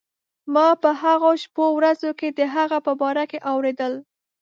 ما په هغو شپو ورځو کې د هغه په باره کې اورېدل.